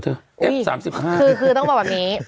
อุ้ยคือคือต้องบอกแบบนี้